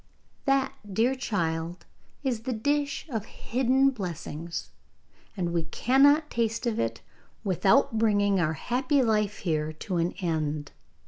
That, dear child, is the dish of hidden blessings, and we cannot taste of it without bringing our happy life here to an end.